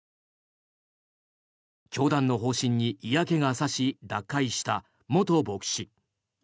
教団の方針に嫌気が差し脱会した元牧師。